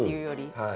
はい。